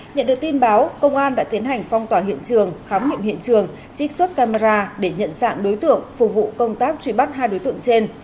nhận được tin báo công an đã tiến hành phong tỏa hiện trường khám nghiệm hiện trường trích xuất camera để nhận dạng đối tượng phục vụ công tác truy bắt hai đối tượng trên